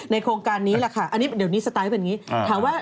โครงการนี้แหละค่ะอันนี้เดี๋ยวนี้สไตล์เป็นอย่างนี้ถามว่า